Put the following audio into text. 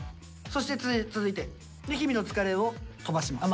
そして続いて「日々の疲れをとばします」。